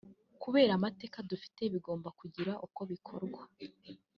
kubera amateka dufite bigomba kugira uko bikorwa